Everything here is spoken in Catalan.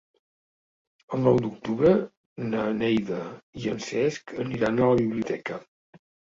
El nou d'octubre na Neida i en Cesc aniran a la biblioteca.